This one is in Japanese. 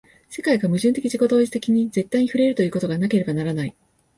世界が矛盾的自己同一的に絶対に触れるということがなければならない。